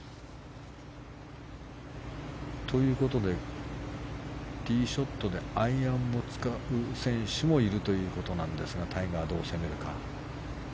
ということでティーショットでアイアンを使う選手もいるということなんですがタイガー、どう攻めるか。